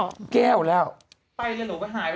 คุณหนุ่มกัญชัยได้เล่าใหญ่ใจความไปสักส่วนใหญ่แล้ว